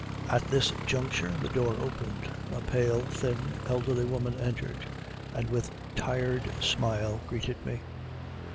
At this juncture the door opened; a pale, thin, elderly woman entered, and with tired smile greeted me.